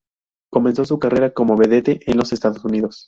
Comenzó su carrera como vedette en los Estados Unidos.